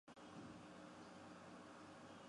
掌叶悬钩子是蔷薇科悬钩子属的植物。